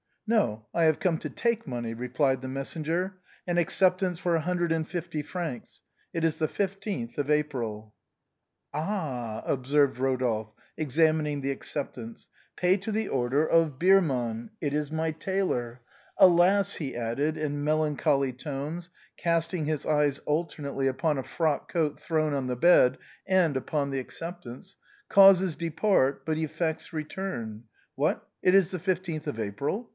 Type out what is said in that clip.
" No, I have come to take money," replied the messenger. "An acceptance for a hundred and fifty francs. It is the 15th of April." "Ah !" observed Rodolphe, examining the acceptance. " Pay to the order of Birmann. It is my tailor. Alas," he added, in melancholy tones casting his eyes al ternately upon a frock coat thrown on the bed and upon the acceptance, " causes depart but effects return. What, it is the 15th of April?